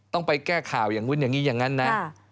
ต้องไปแก้ข่าวอย่างนี้อย่างนั้นนะ